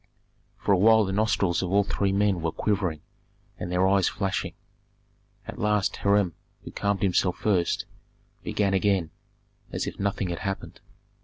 For a while the nostrils of all three men were quivering and their eyes flashing. At last Hiram, who calmed himself first, began again, as if nothing had happened.